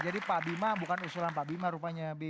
jadi pak bima bukan usulan pak bima rupanya